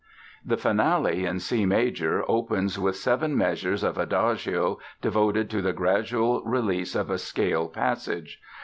The Finale, in C major, opens with seven measures of Adagio devoted to the gradual release of a scale passage.